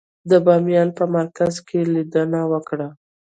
د بامیانو په مرکز کې لیدنه وکړه.